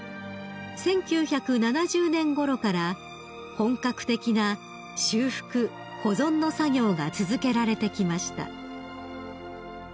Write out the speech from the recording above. １９７０年ごろから本格的な修復・保存の作業が続けられてきました］